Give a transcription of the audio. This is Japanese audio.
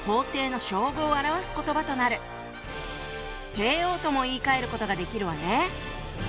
「帝王」とも言いかえることができるわね。